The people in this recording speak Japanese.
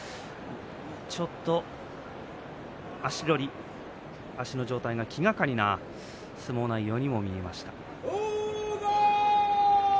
ちょっと足の状態が気がかりな相撲内容にも見えました。